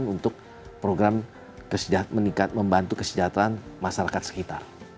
untuk program membantu kesejahteraan masyarakat sekitar